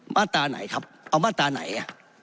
มาตราไหนครับเอามาตราไหน